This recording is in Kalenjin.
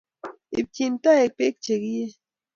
Ipchi toek pek che kiei